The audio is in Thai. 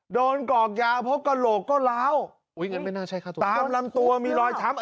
โดนกรอกยาเพราะกระโหลกก็ร้าวตามลำตัวมีรอยช้ำ